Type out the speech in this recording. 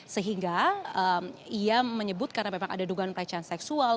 sehingga ia menyebut karena memang ada dugaan pelecehan seksual